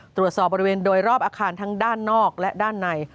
ตรวจสอบบริเวณโดยรอบอาคารทั้งด้านนอกและด้านใน